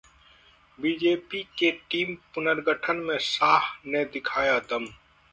BJP के team पुनर्गठन में शाह ने दिखाया दम